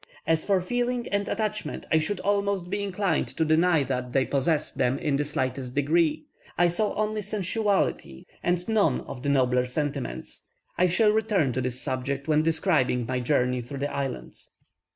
As for feeling and attachment, I should almost be inclined to deny that they possessed them in the slightest degree; I saw only sensuality, and none of the nobler sentiments. I shall return to this subject when describing my journey through the island.